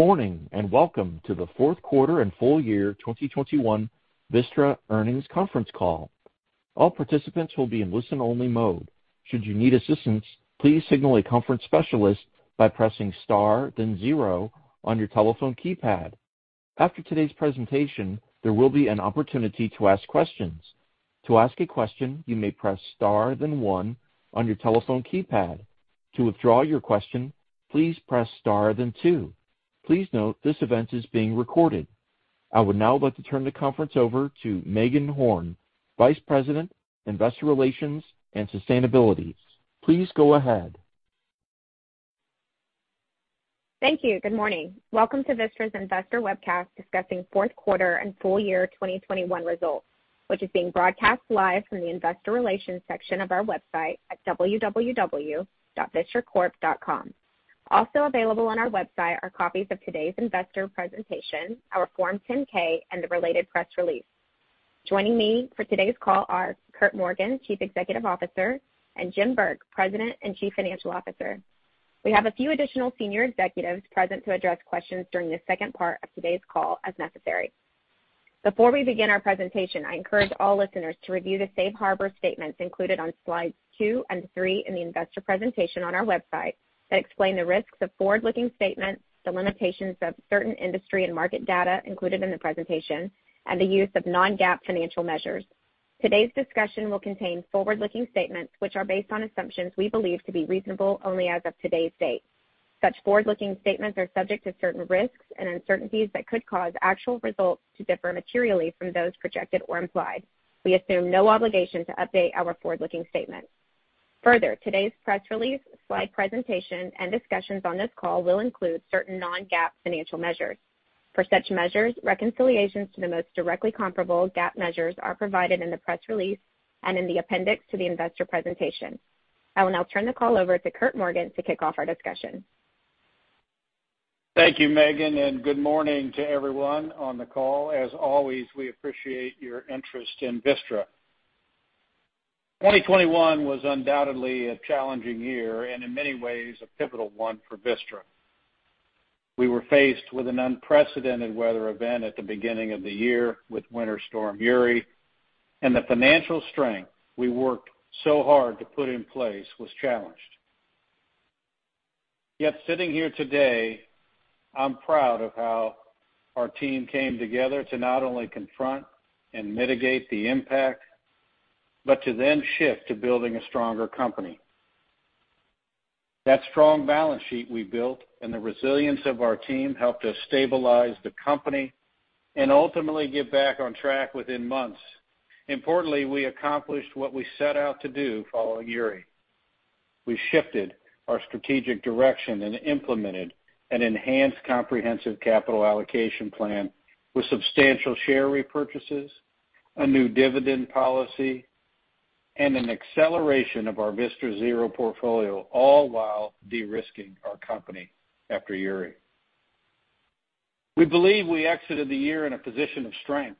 Good morning, and welcome to the fourth quarter and full year 2021 Vistra earnings conference call. All participants will be in listen-only mode. Should you need assistance, please signal a conference specialist by pressing star, then zero on your telephone keypad. After today's presentation, there will be an opportunity to ask questions. To ask a question, you may press star, then one on your telephone keypad. To withdraw your question, please press star, then two. Please note this event is being recorded. I would now like to turn the conference over to Meagan Horn, Vice President, Investor Relations and Sustainability. Please go ahead. Thank you. Good morning. Welcome to Vistra's Investor Webcast discussing fourth quarter and full year 2021 results, which is being broadcast live from the investor relations section of our website at www.vistracorp.com. Also available on our website are copies of today's investor presentation, our Form 10-K and the related press release. Joining me for today's call are Curt Morgan, Chief Executive Officer, and Jim Burke, President and Chief Financial Officer. We have a few additional senior executives present to address questions during the second part of today's call, as necessary. Before we begin our presentation, I encourage all listeners to review the safe harbor statements included on slides 2 and 3 in the investor presentation on our website that explain the risks of forward-looking statements, the limitations of certain industry and market data included in the presentation, and the use of non-GAAP financial measures. Today's discussion will contain forward-looking statements which are based on assumptions we believe to be reasonable only as of today's date. Such forward-looking statements are subject to certain risks and uncertainties that could cause actual results to differ materially from those projected or implied. We assume no obligation to update our forward-looking statements. Further, today's press release, slide presentation, and discussions on this call will include certain non-GAAP financial measures. For such measures, reconciliations to the most directly comparable GAAP measures are provided in the press release and in the appendix to the investor presentation. I will now turn the call over to Curt Morgan to kick off our discussion. Thank you, Meagan, and good morning to everyone on the call. As always, we appreciate your interest in Vistra. 2021 was undoubtedly a challenging year and in many ways a pivotal one for Vistra. We were faced with an unprecedented weather event at the beginning of the year with Winter Storm Uri, and the financial strength we worked so hard to put in place was challenged. Yet sitting here today, I'm proud of how our team came together to not only confront and mitigate the impact, but to then shift to building a stronger company. That strong balance sheet we built and the resilience of our team helped us stabilize the company and ultimately get back on track within months. Importantly, we accomplished what we set out to do following Uri. We shifted our strategic direction and implemented an enhanced comprehensive capital allocation plan with substantial share repurchases, a new dividend policy, and an acceleration of our Vistra Zero portfolio, all while de-risking our company after Uri. We believe we exited the year in a position of strength,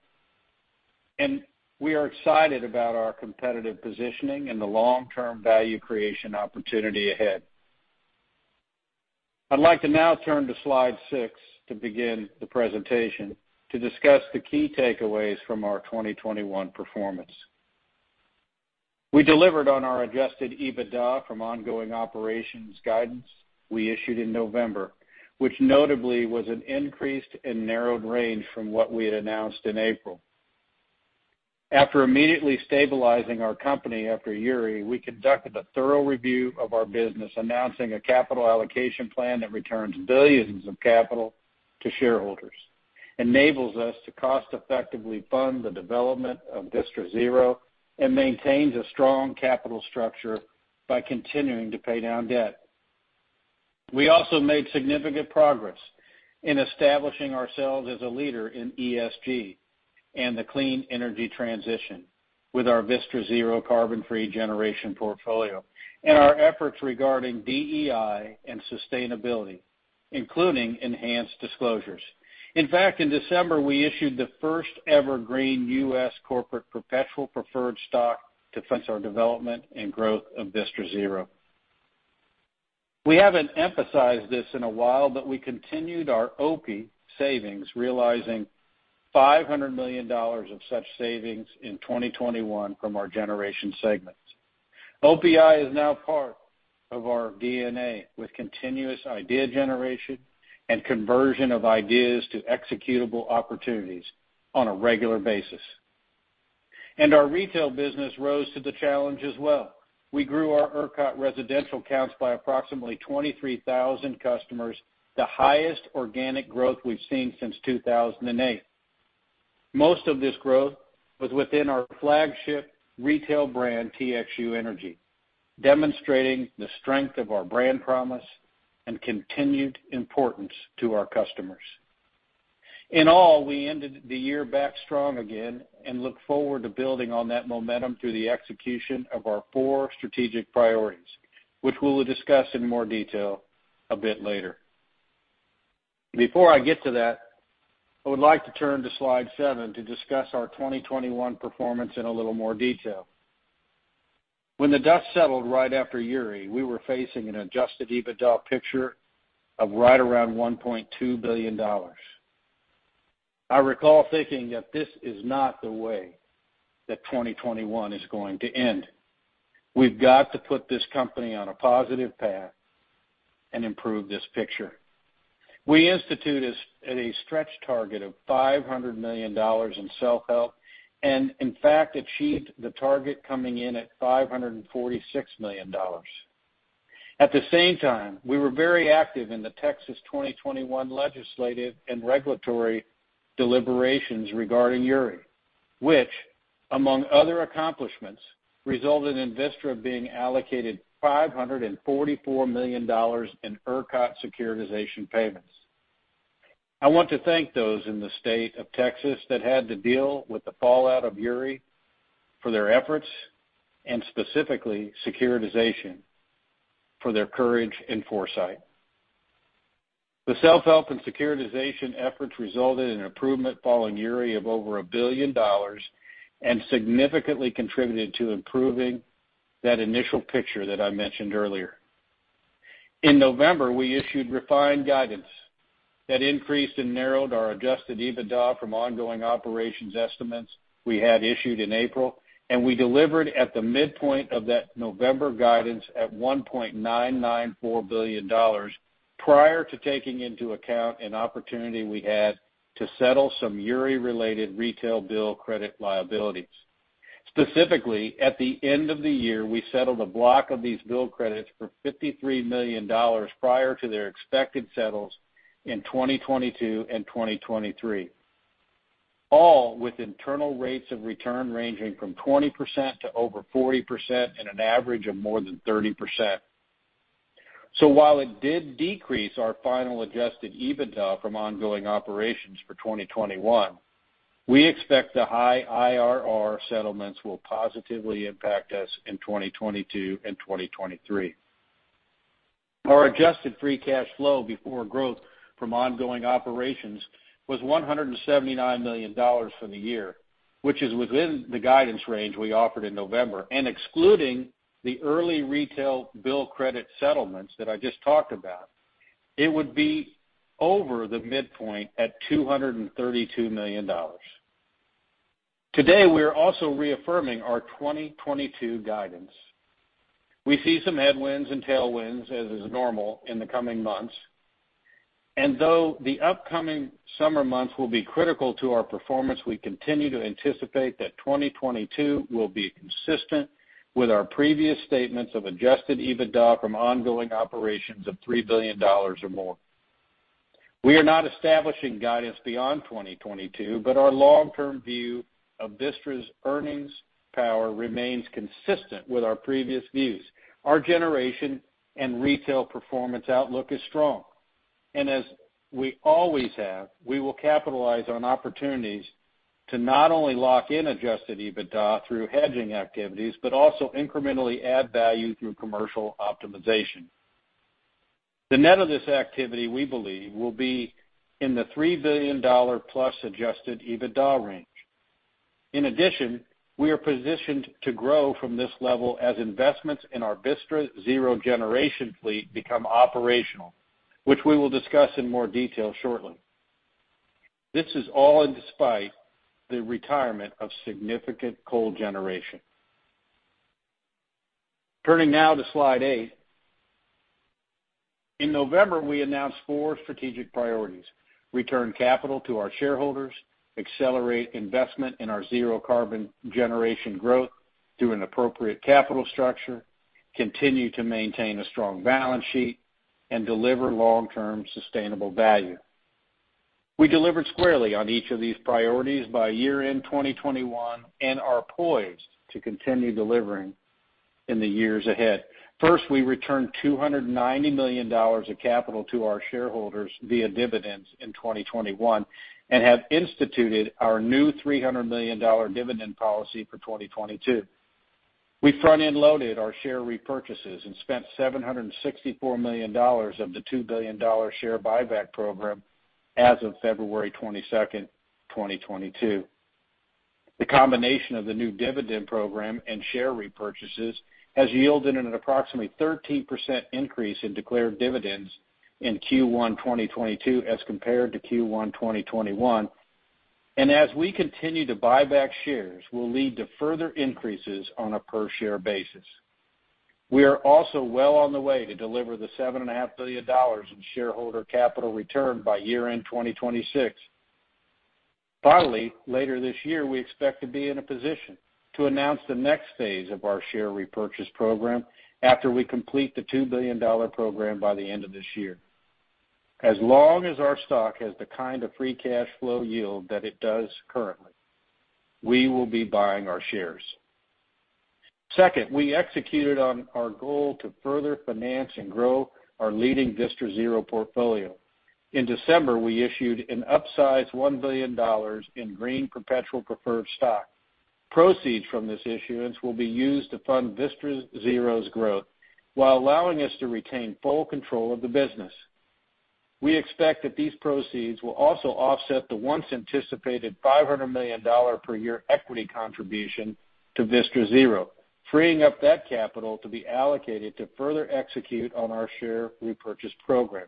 and we are excited about our competitive positioning and the long-term value creation opportunity ahead. I'd like to now turn to slide 6 to begin the presentation to discuss the key takeaways from our 2021 performance. We delivered on our adjusted EBITDA from ongoing operations guidance we issued in November, which notably was an increased and narrowed range from what we had announced in April. After immediately stabilizing our company after Uri, we conducted a thorough review of our business, announcing a capital allocation plan that returns billions of capital to shareholders, enables us to cost-effectively fund the development of Vistra Zero, and maintains a strong capital structure by continuing to pay down debt. We also made significant progress in establishing ourselves as a leader in ESG and the clean energy transition with our Vistra Zero carbon-free generation portfolio and our efforts regarding DEI and sustainability, including enhanced disclosures. In fact, in December, we issued the first-ever green U.S. corporate perpetual preferred stock to fund our development and growth of Vistra Zero. We haven't emphasized this in a while, but we continued our OPI savings, realizing $500 million of such savings in 2021 from our generation segments. OPI is now part of our DNA with continuous idea generation and conversion of ideas to executable opportunities on a regular basis. Our retail business rose to the challenge as well. We grew our ERCOT residential counts by approximately 23,000 customers, the highest organic growth we've seen since 2008. Most of this growth was within our flagship retail brand, TXU Energy, demonstrating the strength of our brand promise and continued importance to our customers. In all, we ended the year back strong again and look forward to building on that momentum through the execution of our four strategic priorities, which we will discuss in more detail a bit later. Before I get to that, I would like to turn to slide 7 to discuss our 2021 performance in a little more detail. When the dust settled right after Uri, we were facing an adjusted EBITDA picture of right around $1.2 billion. I recall thinking that this is not the way that 2021 is going to end. We've got to put this company on a positive path and improve this picture. We instituted a stretch target of $500 million in self-help and in fact achieved the target coming in at $546 million. At the same time, we were very active in the Texas 2021 legislative and regulatory deliberations regarding Uri, which among other accomplishments, resulted in Vistra being allocated $544 million in ERCOT securitization payments. I want to thank those in the state of Texas that had to deal with the fallout of Uri for their efforts, and specifically securitization for their courage and foresight. The self-help and securitization efforts resulted in an improvement following Uri of over $1 billion and significantly contributed to improving that initial picture that I mentioned earlier. In November, we issued refined guidance that increased and narrowed our adjusted EBITDA from ongoing operations estimates we had issued in April, and we delivered at the midpoint of that November guidance at $1.994 billion prior to taking into account an opportunity we had to settle some Uri-related retail bill credit liabilities. Specifically, at the end of the year, we settled a block of these bill credits for $53 million prior to their expected settles in 2022 and 2023, all with internal rates of return ranging from 20% to over 40% and an average of more than 30%. While it did decrease our final adjusted EBITDA from ongoing operations for 2021, we expect the high IRR settlements will positively impact us in 2022 and 2023. Our Adjusted Free Cash Flow before Growth from ongoing operations was $179 million for the year, which is within the guidance range we offered in November. Excluding the early retail bill credit settlements that I just talked about, it would be over the midpoint at $232 million. Today, we are also reaffirming our 2022 guidance. We see some headwinds and tailwinds as is normal in the coming months, and though the upcoming summer months will be critical to our performance, we continue to anticipate that 2022 will be consistent with our previous statements of adjusted EBITDA from ongoing operations of $3 billion or more. We are not establishing guidance beyond 2022, but our long-term view of Vistra's earnings power remains consistent with our previous views. Our generation and retail performance outlook is strong. As we always have, we will capitalize on opportunities to not only lock in adjusted EBITDA through hedging activities, but also incrementally add value through commercial optimization. The net of this activity, we believe, will be in the $3 billion+ adjusted EBITDA range. In addition, we are positioned to grow from this level as investments in our Vistra Zero generation fleet become operational, which we will discuss in more detail shortly. This is all in despite the retirement of significant coal generation. Turning now to slide 8. In November, we announced four strategic priorities. Return capital to our shareholders, accelerate investment in our zero-carbon generation growth through an appropriate capital structure, continue to maintain a strong balance sheet and deliver long-term sustainable value. We delivered squarely on each of these priorities by year-end 2021 and are poised to continue delivering in the years ahead. First, we returned $290 million of capital to our shareholders via dividends in 2021 and have instituted our new $300 million dividend policy for 2022. We front-end loaded our share repurchases and spent $764 million of the $2 billion share buyback program as of February 22, 2022. The combination of the new dividend program and share repurchases has yielded an approximately 13% increase in declared dividends in Q1 2022 as compared to Q1 2021. As we continue to buy back shares, will lead to further increases on a per share basis. We are also well on the way to deliver the $7.5 billion in shareholder capital return by year-end 2026. Finally, later this year, we expect to be in a position to announce the next phase of our share repurchase program after we complete the $2 billion program by the end of this year. As long as our stock has the kind of free cash flow yield that it does currently, we will be buying our shares. Second, we executed on our goal to further finance and grow our leading Vistra Zero portfolio. In December, we issued an upsize $1 billion in green perpetual preferred stock. Proceeds from this issuance will be used to fund Vistra Zero's growth while allowing us to retain full control of the business. We expect that these proceeds will also offset the once anticipated $500 million per year equity contribution to Vistra Zero, freeing up that capital to be allocated to further execute on our share repurchase program.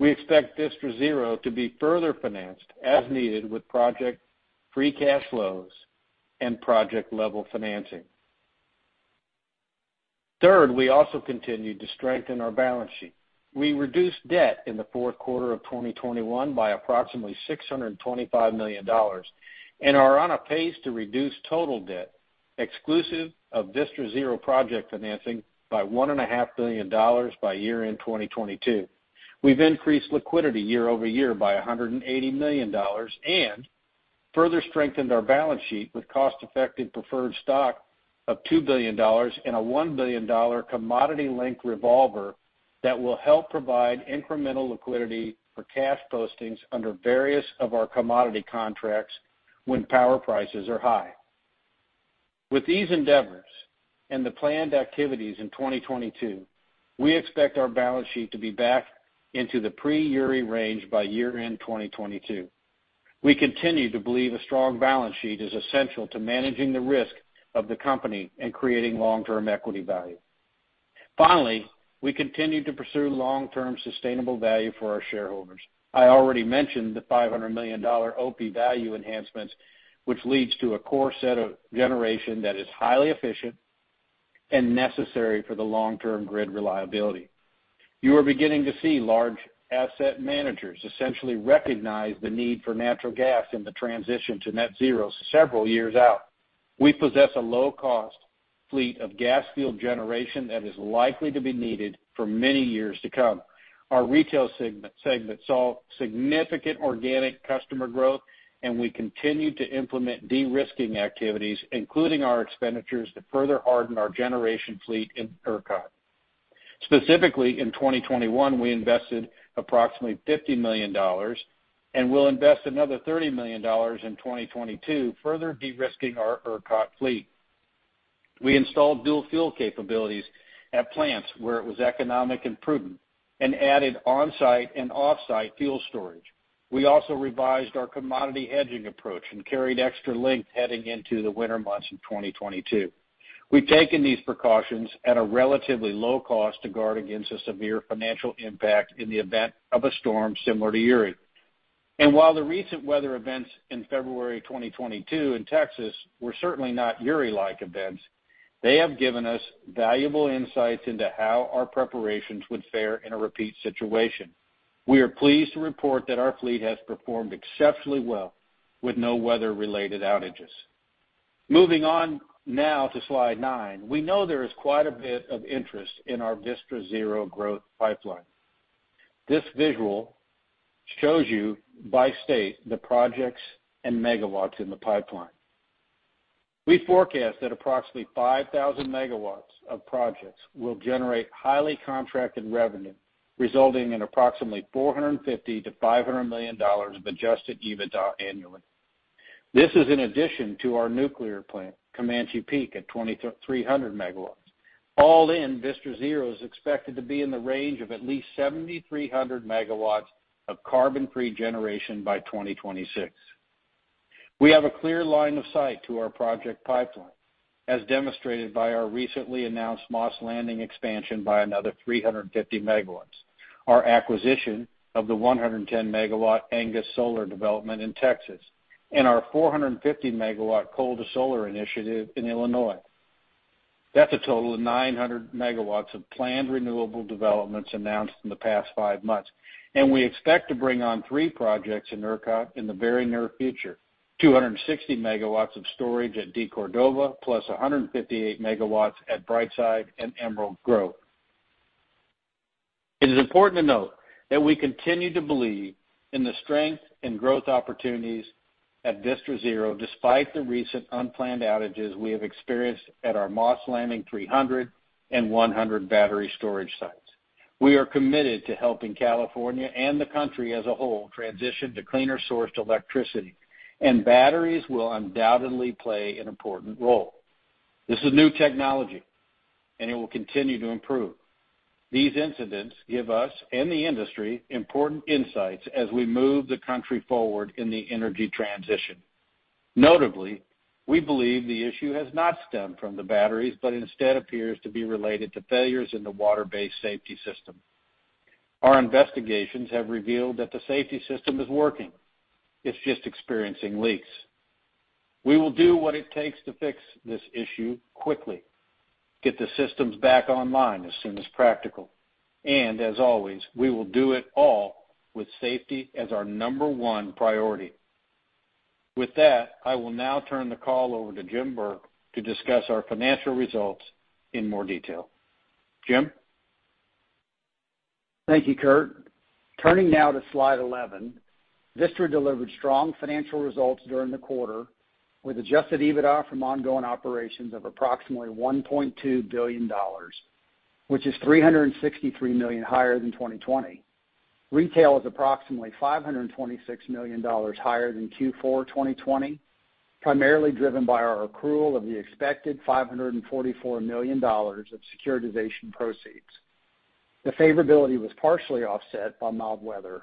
We expect Vistra Zero to be further financed as needed with project free cash flows and project-level financing. Third, we also continued to strengthen our balance sheet. We reduced debt in the fourth quarter of 2021 by approximately $625 million and are on a pace to reduce total debt, exclusive of Vistra Zero project financing, by $1.5 billion by year-end 2022. We've increased liquidity year over year by $180 million and further strengthened our balance sheet with cost-effective preferred stock of $2 billion and a $1 billion commodity-linked revolver that will help provide incremental liquidity for cash postings under various of our commodity contracts when power prices are high. With these endeavors and the planned activities in 2022, we expect our balance sheet to be back into the pre-Uri range by year-end 2022. We continue to believe a strong balance sheet is essential to managing the risk of the company and creating long-term equity value. Finally, we continue to pursue long-term sustainable value for our shareholders. I already mentioned the $500 million OPI value enhancements, which leads to a core set of generation that is highly efficient and necessary for the long-term grid reliability. You are beginning to see large asset managers essentially recognize the need for natural gas in the transition to net zero several years out. We possess a low-cost fleet of gas-fueled generation that is likely to be needed for many years to come. Our retail segment saw significant organic customer growth, and we continue to implement de-risking activities, including our expenditures to further harden our generation fleet in ERCOT. Specifically, in 2021, we invested approximately $50 million and will invest another $30 million in 2022, further de-risking our ERCOT fleet. We installed dual fuel capabilities at plants where it was economic and prudent and added on-site and off-site fuel storage. We also revised our commodity hedging approach and carried extra length heading into the winter months in 2022. We've taken these precautions at a relatively low cost to guard against a severe financial impact in the event of a storm similar to Uri. While the recent weather events in February 2022 in Texas were certainly not Uri-like events, they have given us valuable insights into how our preparations would fare in a repeat situation. We are pleased to report that our fleet has performed exceptionally well with no weather-related outages. Moving on now to slide 9. We know there is quite a bit of interest in our Vistra Zero growth pipeline. This visual shows you by state the projects and megawatts in the pipeline. We forecast that approximately 5,000 MW of projects will generate highly contracted revenue, resulting in approximately $450 million-$500 million of adjusted EBITDA annually. This is in addition to our nuclear plant, Comanche Peak, at 2,300 MW. All in, Vistra Zero is expected to be in the range of at least 7,300 MW of carbon-free generation by 2026. We have a clear line of sight to our project pipeline, as demonstrated by our recently announced Moss Landing expansion by another 350 MW, our acquisition of the 110-MW Angus Solar development in Texas, and our 450 MW coal to solar initiative in Illinois. That's a total of 900 MW of planned renewable developments announced in the past five months. We expect to bring on three projects in ERCOT in the very near future, 260 MW of storage at DeCordova, plus 158 MW at Brightside and Emerald Grove. It is important to note that we continue to believe in the strength and growth opportunities at Vistra Zero despite the recent unplanned outages we have experienced at our Moss Landing 300 and 100 battery storage sites. We are committed to helping California and the country as a whole transition to cleaner sourced electricity, and batteries will undoubtedly play an important role. This is new technology, and it will continue to improve. These incidents give us and the industry important insights as we move the country forward in the energy transition. Notably, we believe the issue has not stemmed from the batteries, but instead appears to be related to failures in the water-based safety system. Our investigations have revealed that the safety system is working. It's just experiencing leaks. We will do what it takes to fix this issue quickly, get the systems back online as soon as practical, and as always, we will do it all with safety as our number one priority. With that, I will now turn the call over to Jim Burke to discuss our financial results in more detail. Jim? Thank you, Curt. Turning now to slide 11. Vistra delivered strong financial results during the quarter, with adjusted EBITDA from ongoing operations of approximately $1.2 billion, which is $363 million higher than 2020. Retail is approximately $526 million higher than Q4 2020. Primarily driven by our accrual of the expected $544 million of securitization proceeds. The favorability was partially offset by mild weather.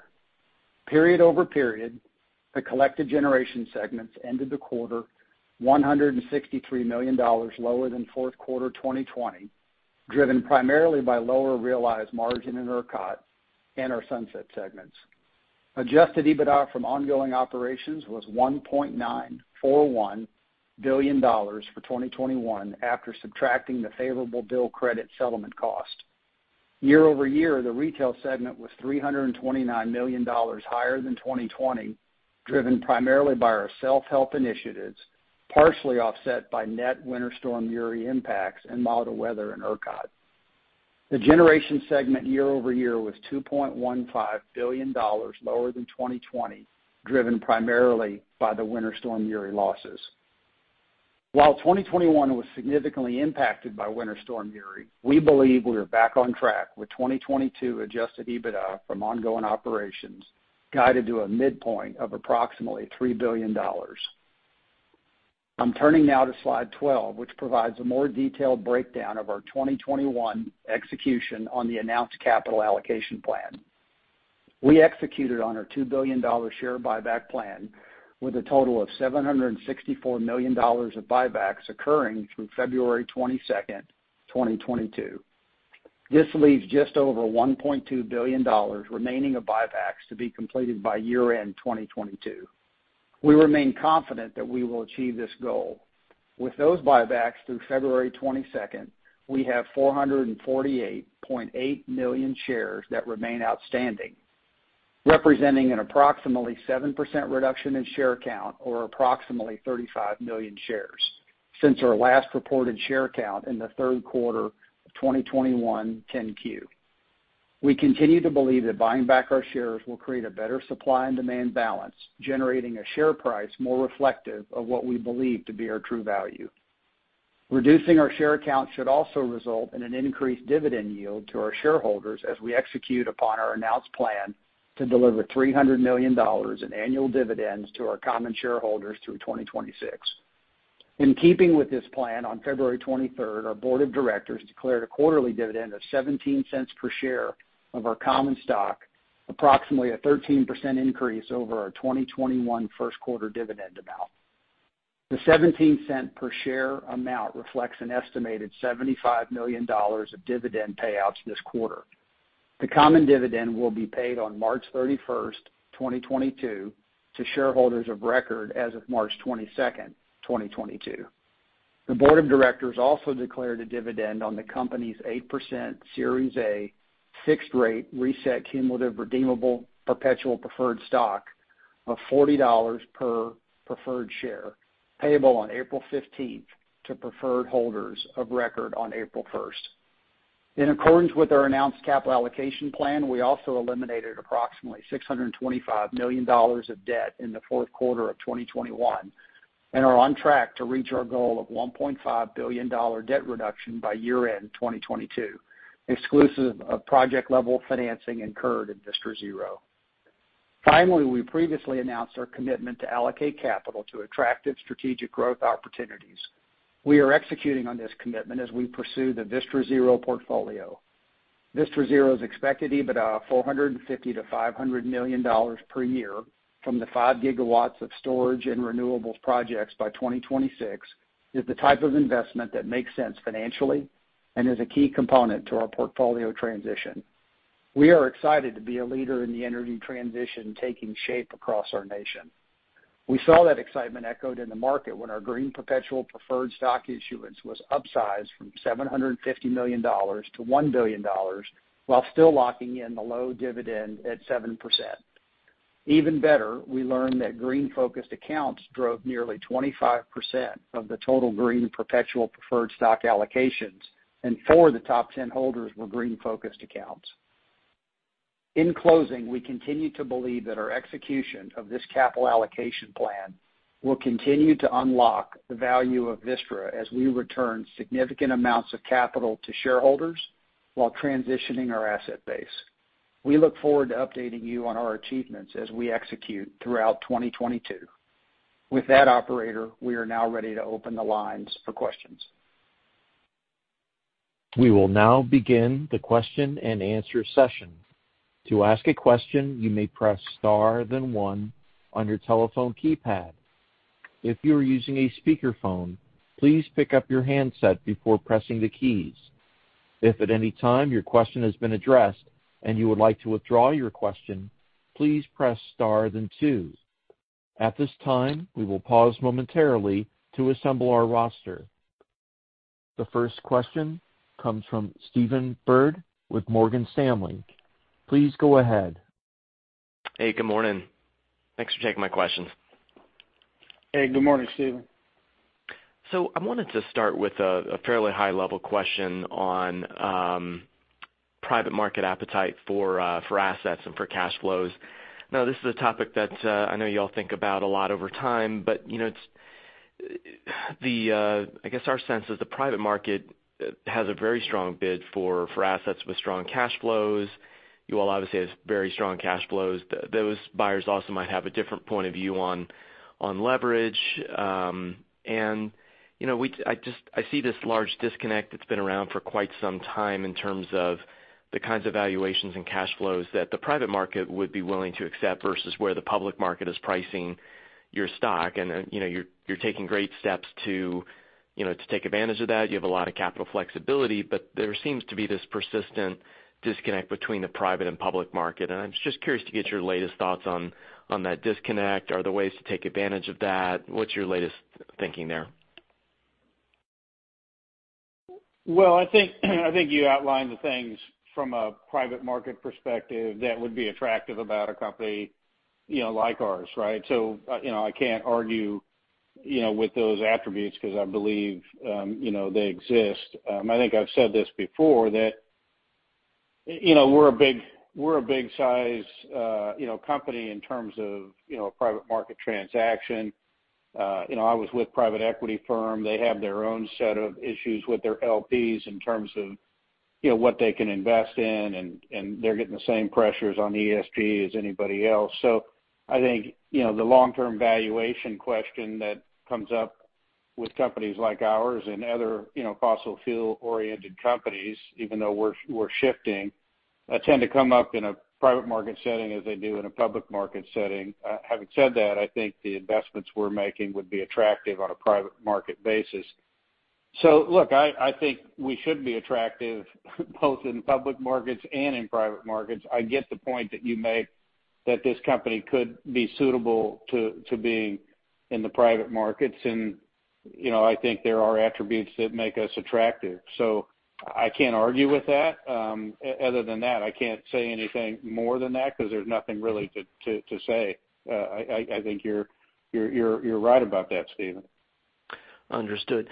Period over period, the collected generation segments ended the quarter $163 million lower than fourth quarter 2020, driven primarily by lower realized margin in ERCOT and our sunset segments. Adjusted EBITDA from ongoing operations was $1.941 billion for 2021 after subtracting the favorable bill credit settlement cost. Year-over-year, the retail segment was $329 million higher than 2020, driven primarily by our self-help initiatives, partially offset by net Winter Storm Uri impacts and milder weather in ERCOT. The generation segment year-over-year was $2.15 billion lower than 2020, driven primarily by the Winter Storm Uri losses. While 2021 was significantly impacted by Winter Storm Uri, we believe we are back on track with 2022 adjusted EBITDA from ongoing operations guided to a midpoint of approximately $3 billion. I'm turning now to slide 12, which provides a more detailed breakdown of our 2021 execution on the announced capital allocation plan. We executed on our $2 billion share buyback plan with a total of $764 million of buybacks occurring through February 22, 2022. This leaves just over $1.2 billion remaining of buybacks to be completed by year-end 2022. We remain confident that we will achieve this goal. With those buybacks through February 22, we have 448.8 million shares that remain outstanding, representing an approximately 7% reduction in share count or approximately 35 million shares since our last reported share count in the third quarter of 2021 10-Q. We continue to believe that buying back our shares will create a better supply and demand balance, generating a share price more reflective of what we believe to be our true value. Reducing our share count should also result in an increased dividend yield to our shareholders as we execute upon our announced plan to deliver $300 million in annual dividends to our common shareholders through 2026. In keeping with this plan, on February 23, our board of directors declared a quarterly dividend of $0.17 cents per share of our common stock, approximately a 13% increase over our 2021 first quarter dividend amount. The $0.17 cents per share amount reflects an estimated $75 million of dividend payouts this quarter. The common dividend will be paid on March 31, 2022, to shareholders of record as of March 22, 2022. The board of directors also declared a dividend on the company's 8% Series A Fixed-Rate Reset Cumulative Redeemable Perpetual Preferred Stock of $40 per preferred share, payable on April 15 to preferred holders of record on April 1. In accordance with our announced capital allocation plan, we also eliminated approximately $625 million of debt in the fourth quarter of 2021 and are on track to reach our goal of $1.5 billion debt reduction by year-end 2022, exclusive of project-level financing incurred in Vistra Zero. Finally, we previously announced our commitment to allocate capital to attractive strategic growth opportunities. We are executing on this commitment as we pursue the Vistra Zero portfolio. Vistra Zero's expected EBITDA of $450 million-$500 million per year from the 5 GW of storage and renewables projects by 2026 is the type of investment that makes sense financially and is a key component to our portfolio transition. We are excited to be a leader in the energy transition taking shape across our nation. We saw that excitement echoed in the market when our green perpetual preferred stock issuance was upsized from $750 million-$1 billion while still locking in the low dividend at 7%. Even better, we learned that green-focused accounts drove nearly 25% of the total green perpetual preferred stock allocations, and 4 of the top 10 holders were green-focused accounts. In closing, we continue to believe that our execution of this capital allocation plan will continue to unlock the value of Vistra as we return significant amounts of capital to shareholders while transitioning our asset base. We look forward to updating you on our achievements as we execute throughout 2022. With that, operator, we are now ready to open the lines for questions. We will now begin the question and answer session. To ask a question, you may press star then one on your telephone keypad. If you are using a speakerphone, please pick up your handset before pressing the keys. If at any time your question has been addressed and you would like to withdraw your question, please press star then two. At this time, we will pause momentarily to assemble our roster. The first question comes from Stephen Byrd with Morgan Stanley. Please go ahead. Hey, good morning. Thanks for taking my questions. Hey, good morning, Stephen. I wanted to start with a fairly high-level question on private market appetite for assets and for cash flows. This is a topic that I know you all think about a lot over time, but you know, it's the I guess our sense is the private market has a very strong bid for assets with strong cash flows. You all obviously have very strong cash flows. Those buyers also might have a different point of view on leverage. You know, I see this large disconnect that's been around for quite some time in terms of the kinds of valuations and cash flows that the private market would be willing to accept versus where the public market is pricing your stock. You know, you're taking great steps to take advantage of that. You have a lot of capital flexibility, but there seems to be this persistent disconnect between the private and public market. I'm just curious to get your latest thoughts on that disconnect. Are there ways to take advantage of that? What's your latest thinking there? Well, I think you outlined the things from a private market perspective that would be attractive about a company, you know, like ours, right? You know, I can't argue, you know, with those attributes because I believe, you know, they exist. I think I've said this before that, you know, we're a big size, you know, company in terms of, you know, a private market transaction. You know, I was with private equity firm. They have their own set of issues with their LPs in terms of, you know, what they can invest in, and they're getting the same pressures on ESG as anybody else. I think, you know, the long-term valuation question that comes up with companies like ours and other, you know, fossil fuel-oriented companies, even though we're shifting, tend to come up in a private market setting as they do in a public market setting. Having said that, I think the investments we're making would be attractive on a private market basis. Look, I think we should be attractive both in public markets and in private markets. I get the point that you make that this company could be suitable to being in the private markets. You know, I think there are attributes that make us attractive. I can't argue with that. Other than that, I can't say anything more than that because there's nothing really to say. I think you're right about that, Stephen. Understood.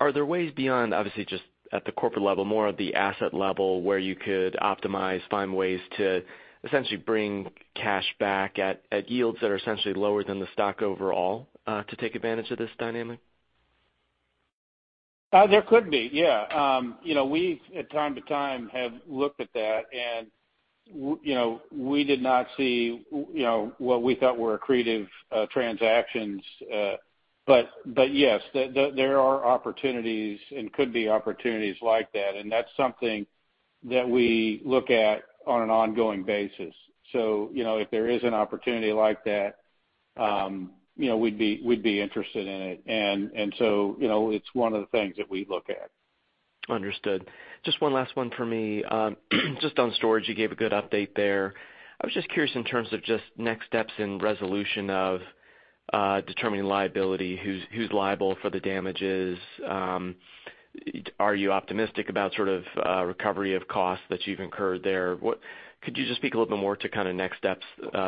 Are there ways beyond, obviously, just at the corporate level, more at the asset level, where you could optimize, find ways to essentially bring cash back at yields that are essentially lower than the stock overall, to take advantage of this dynamic? There could be, yeah. You know, we've from time to time looked at that and, you know, we did not see, you know, what we thought were accretive transactions. Yes, there are opportunities and could be opportunities like that, and that's something that we look at on an ongoing basis. You know, if there is an opportunity like that, you know, we'd be interested in it. You know, it's one of the things that we look at. Understood. Just one last one for me. Just on storage, you gave a good update there. I was just curious in terms of just next steps in resolution of determining liability, who's liable for the damages. Are you optimistic about sort of recovery of costs that you've incurred there? Could you just speak a little bit more to kind of next steps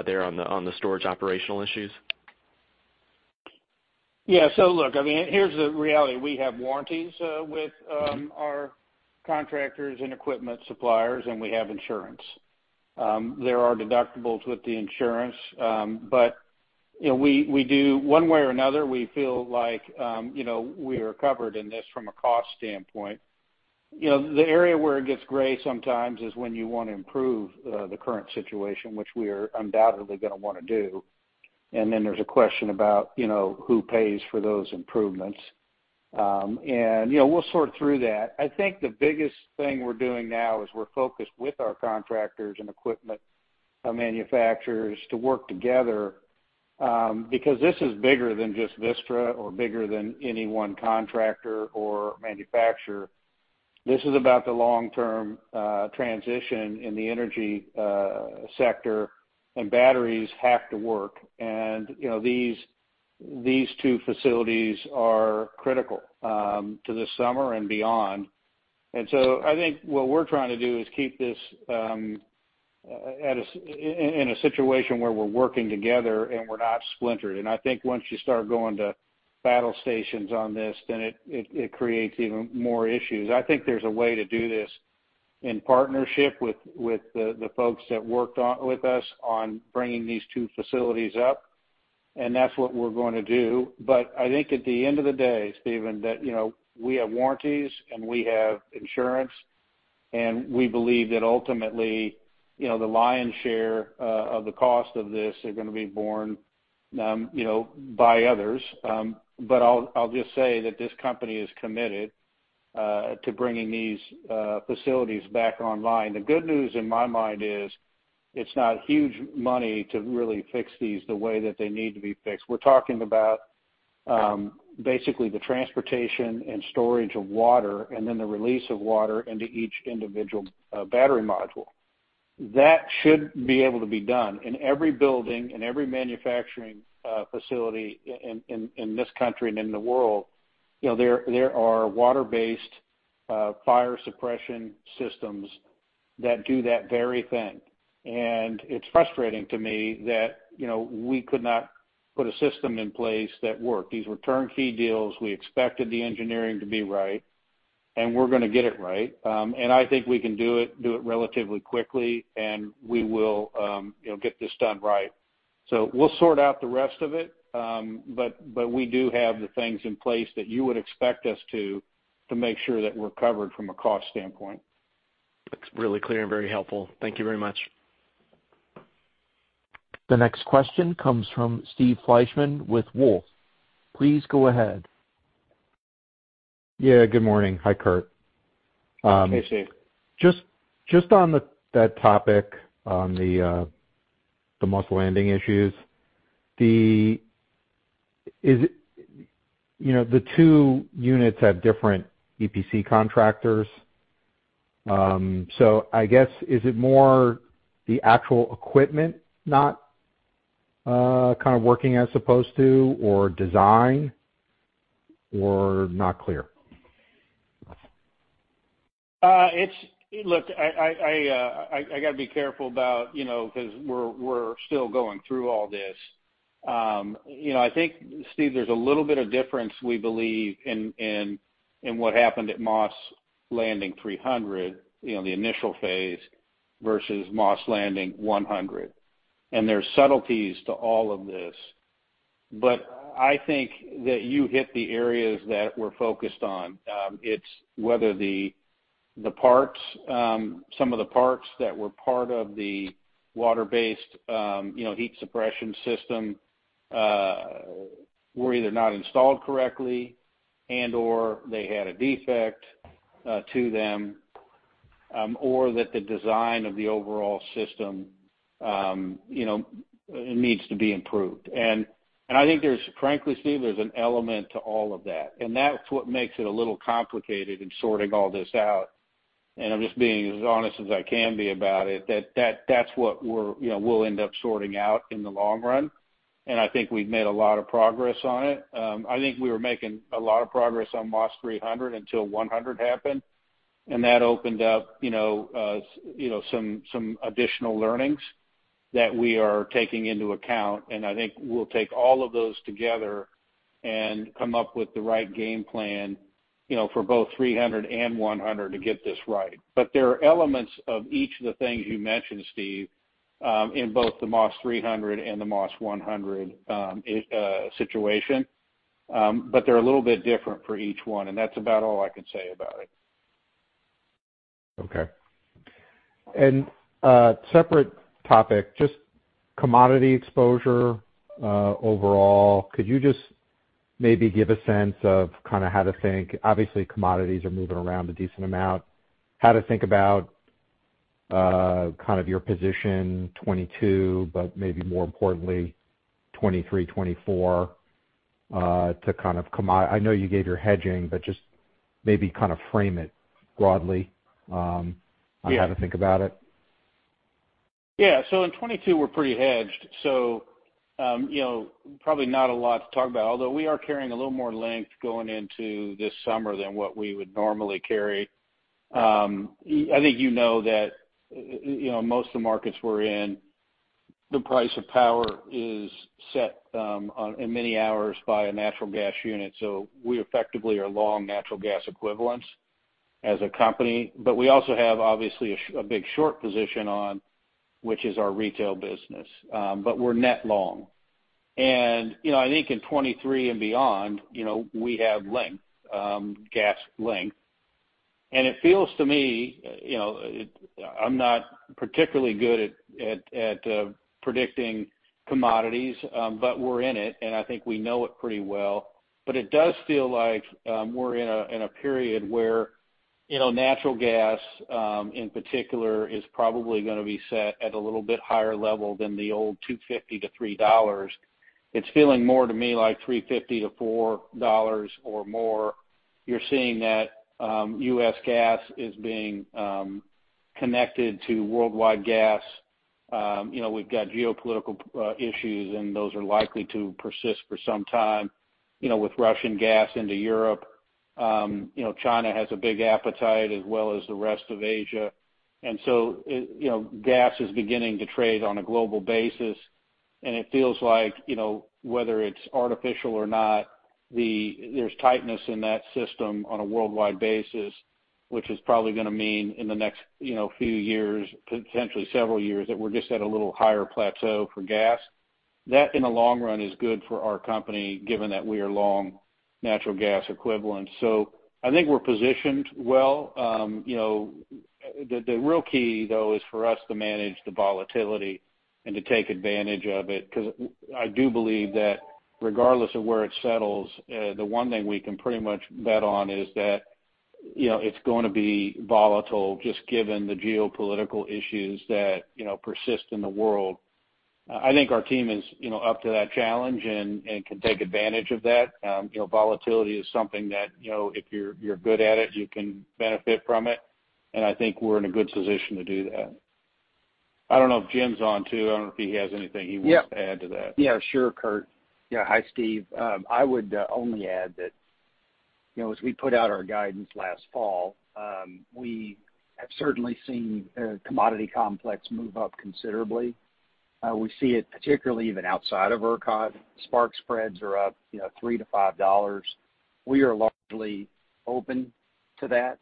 there on the storage operational issues? Yeah. Look, I mean, here's the reality. We have warranties with our contractors and equipment suppliers, and we have insurance. There are deductibles with the insurance, but you know, we do one way or another, we feel like you know, we are covered in this from a cost standpoint. You know, the area where it gets gray sometimes is when you want to improve the current situation, which we are undoubtedly going to want to do. Then there's a question about you know, who pays for those improvements. You know, we'll sort through that. I think the biggest thing we're doing now is we're focused with our contractors and equipment manufacturers to work together because this is bigger than just Vistra or bigger than any one contractor or manufacturer. This is about the long-term transition in the energy sector, and batteries have to work. You know, these two facilities are critical to this summer and beyond. I think what we're trying to do is keep this in a situation where we're working together and we're not splintered. I think once you start going to battle stations on this, then it creates even more issues. I think there's a way to do this in partnership with the folks that worked on with us on bringing these two facilities up, and that's what we're going to do. I think at the end of the day, Stephen, that, you know, we have warranties and we have insurance, and we believe that ultimately, you know, the lion's share of the cost of this are gonna be borne, you know, by others. I'll just say that this company is committed to bringing these facilities back online. The good news in my mind is it's not huge money to really fix these the way that they need to be fixed. We're talking about basically the transportation and storage of water and then the release of water into each individual battery module. That should be able to be done. In every building, in every manufacturing facility in this country and in the world, you know, there are water-based fire suppression systems that do that very thing. It's frustrating to me that, you know, we could not put a system in place that worked. These were turn-key deals. We expected the engineering to be right. We're gonna get it right. I think we can do it relatively quickly, and we will, you know, get this done right. We'll sort out the rest of it, but we do have the things in place that you would expect us to make sure that we're covered from a cost standpoint. That's really clear and very helpful. Thank you very much. The next question comes from Steve Fleishman with Wolfe. Please go ahead. Yeah, good morning. Hi, Curt. Hey, Steve. Just on that topic on the Moss Landing issues. Is it you know, the two units have different EPC contractors. So I guess, is it more the actual equipment not kind of working as opposed to or design, or not clear? Look, I gotta be careful about, you know, 'cause we're still going through all this. You know, I think, Steve, there's a little bit of difference, we believe in what happened at Moss Landing 300, you know, the initial phase versus Moss Landing 100. There's subtleties to all of this. I think that you hit the areas that we're focused on. It's whether the parts, some of the parts that were part of the water-based, you know, heat suppression system, were either not installed correctly and/or they had a defect to them, or that the design of the overall system, you know, needs to be improved. I think there's frankly, Steve, there's an element to all of that, and that's what makes it a little complicated in sorting all this out. I'm just being as honest as I can be about it, that's what we're, you know, we'll end up sorting out in the long run. I think we've made a lot of progress on it. I think we were making a lot of progress on Moss 300 until 100 happened, and that opened up, you know, some additional learnings that we are taking into account. I think we'll take all of those together and come up with the right game plan, you know, for both 300 and 100 to get this right. There are elements of each of the things you mentioned, Steve, in both the Moss 300 and the Moss 100 situation. They're a little bit different for each one, and that's about all I can say about it. Okay. Separate topic, just commodity exposure, overall. Could you just maybe give a sense of kind of how to think? Obviously, commodities are moving around a decent amount. How to think about, kind of your position 2022, but maybe more importantly, 2023, 2024, to kind of. I know you gave your hedging, but just maybe kind of frame it broadly. Yeah. on how to think about it. Yeah. In 2022, we're pretty hedged, you know, probably not a lot to talk about, although we are carrying a little more length going into this summer than what we would normally carry. I think you know that most of the markets we're in, the price of power is set in many hours by a natural gas unit, so we effectively are long natural gas equivalents as a company. But we also have, obviously, a big short position, which is our retail business. We're net long. You know, I think in 2023 and beyond, you know, we have length, gas length. It feels to me, you know, I'm not particularly good at predicting commodities, but we're in it, and I think we know it pretty well. It does feel like we're in a period where, you know, natural gas, in particular, is probably gonna be set at a little bit higher level than the old $2.50-$3. It's feeling more to me like $3.50-$4 or more. You're seeing that U.S. gas is being connected to worldwide gas. You know, we've got geopolitical issues, and those are likely to persist for some time, you know, with Russian gas into Europe. You know, China has a big appetite, as well as the rest of Asia. You know, gas is beginning to trade on a global basis. It feels like, you know, whether it's artificial or not, there's tightness in that system on a worldwide basis, which is probably gonna mean in the next, you know, few years, potentially several years, that we're just at a little higher plateau for gas. That, in the long run, is good for our company, given that we are long natural gas equivalent. So I think we're positioned well. You know, the real key, though, is for us to manage the volatility and to take advantage of it, 'cause I do believe that regardless of where it settles, the one thing we can pretty much bet on is that, you know, it's gonna be volatile just given the geopolitical issues that, you know, persist in the world. I think our team is, you know, up to that challenge and can take advantage of that. You know, volatility is something that, you know, if you're good at it, you can benefit from it, and I think we're in a good position to do that. I don't know if Jim's on too. I don't know if he has anything he wants to add to that. Yeah. Sure, Curt. Yeah. Hi, Steve. I would only add that, you know, as we put out our guidance last fall, we have certainly seen a commodity complex move up considerably. We see it particularly even outside of ERCOT. Spark spreads are up, you know, $3-$5. We are largely open to that,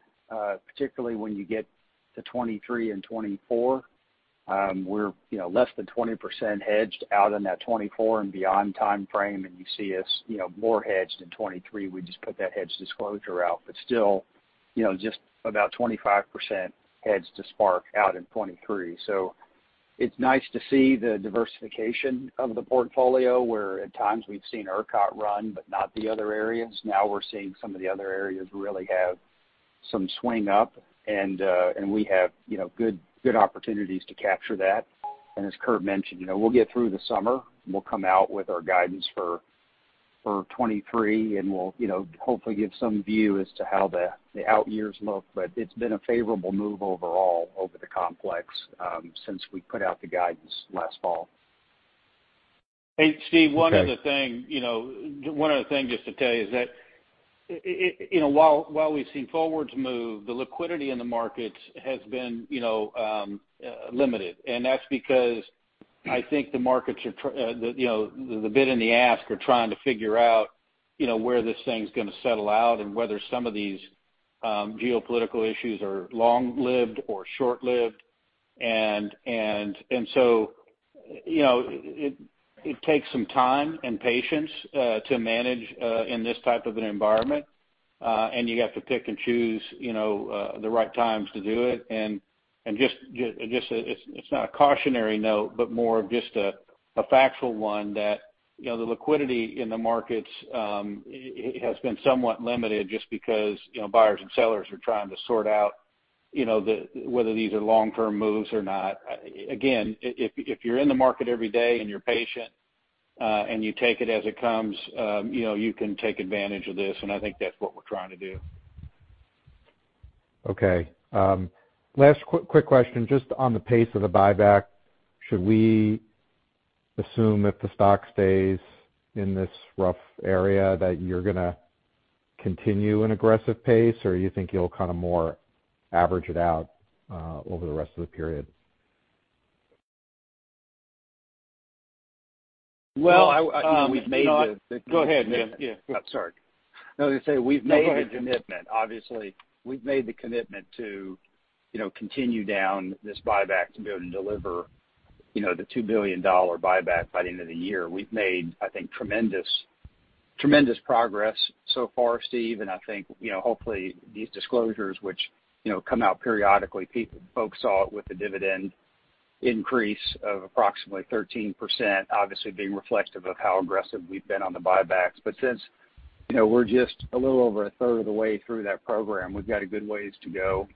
particularly when you get to 2023 and 2024. We're, you know, less than 20% hedged out in that 2024 and beyond timeframe, and you see us, you know, more hedged in 2023. We just put that hedge disclosure out. But still, you know, just about 25% hedged to spark spreads out in 2023. It's nice to see the diversification of the portfolio, where at times we've seen ERCOT run, but not the other areas. Now we're seeing some of the other areas really have some swing up, and we have, you know, good opportunities to capture that. As Curt mentioned, you know, we'll get through the summer, and we'll come out with our guidance for 2023, and we'll, you know, hopefully give some view as to how the out years look. It's been a favorable move overall over the complex since we put out the guidance last fall. Hey, Steve. Okay. One other thing just to tell you is that you know, while we've seen forwards move, the liquidity in the markets has been, you know, limited, and that's because I think the markets are you know, the bid and the ask are trying to figure out, you know, where this thing's gonna settle out and whether some of these geopolitical issues are long-lived or short-lived. So you know, it takes some time and patience to manage in this type of an environment, and you have to pick and choose, you know, the right times to do it. It's not a cautionary note, but more of just a factual one that, you know, the liquidity in the markets, it has been somewhat limited just because, you know, buyers and sellers are trying to sort out, you know, whether these are long-term moves or not. Again, if you're in the market every day and you're patient, and you take it as it comes, you know, you can take advantage of this, and I think that's what we're trying to do. Okay. Last quick question, just on the pace of the buyback. Should we assume if the stock stays in this rough area that you're gonna continue an aggressive pace or you think you'll kind of more average it out over the rest of the period? Well, we've made Go ahead, yeah. I'm sorry. No, I was gonna say we've made a commitment. Obviously, we've made the commitment to, you know, continue down this buyback to be able to deliver, you know, the $2 billion buyback by the end of the year. We've made, I think, tremendous progress so far, Steve. I think, you know, hopefully these disclosures, which, you know, come out periodically, folks saw it with the dividend increase of approximately 13% obviously being reflective of how aggressive we've been on the buybacks. Since, you know, we're just a little over a third of the way through that program, we've got a good ways to go